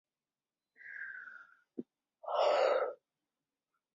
长崎县长崎市出身。